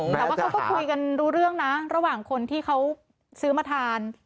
แต่ว่าเขาก็คุยกันรู้เรื่องนะระหว่างคนที่เขาซื้อมาทาน